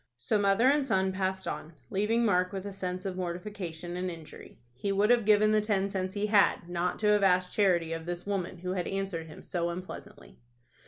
So mother and son passed on, leaving Mark with a sense of mortification and injury. He would have given the ten cents he had, not to have asked charity of this woman who had answered him so unpleasantly.